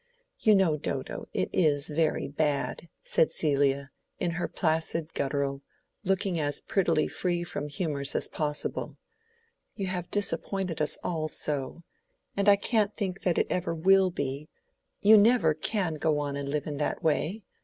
"You know, Dodo, it is very bad," said Celia, in her placid guttural, looking as prettily free from humors as possible. "You have disappointed us all so. And I can't think that it ever will be—you never can go and live in that way.